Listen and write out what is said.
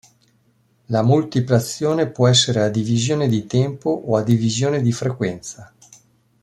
La multiplazione può essere a divisione di tempo o a divisione di frequenza.